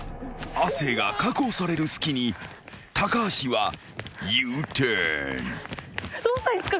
［亜生が確保される隙に橋はＵターン］どうしたらいいんですか？